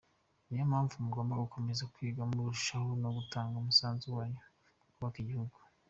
Niyo mpamvu mugomba gukomeza kwiga murushaho no gutanga umusanzu wanyu mu kubaka igihugu.